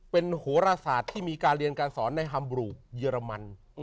เป็นโหรศาสตร์ที่มีการเรียนการสอนในฮัมบรูเยอรมัน